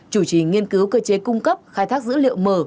chủ trì nghiên cứu cơ chế cung cấp khai thác dữ liệu mở